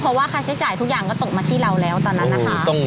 เพราะว่าค่าใช้จ่ายทุกอย่างก็ตกมาที่เราแล้วตอนนั้นนะคะ